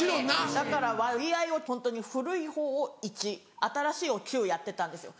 だから割合を古いほうを１新しいを９やってたんですよ。